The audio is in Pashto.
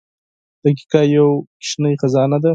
• دقیقه یوه کوچنۍ خزانه ده.